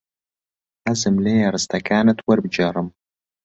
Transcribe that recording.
حەزم لێیە ڕستەکانت وەربگێڕم.